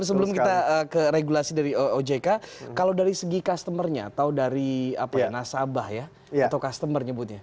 sebelum kita ke regulasi dari ojk kalau dari segi customer nya atau dari nasabah ya atau customer nyebutnya